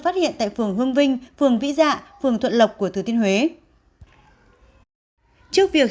phát hiện tại phường hương vinh phường vĩ dạ phường thuận lộc của thừa thiên huế trước việc